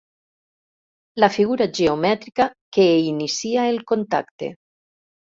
La figura geomètrica que inicia el contacte.